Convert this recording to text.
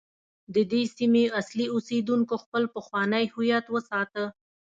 د دې سیمې اصلي اوسیدونکو خپل پخوانی هویت وساته.